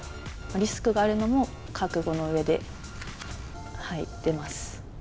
リスクがあるのも覚悟のうえで、出ます。